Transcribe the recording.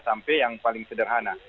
sampai yang paling sederhana